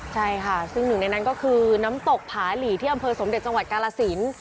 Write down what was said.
ใช่ค่ะซึ่งหนึ่งในนั้นก็คือน้ำตกผาหลีที่อำเภอสมเด็จจังหวัดกาลสิน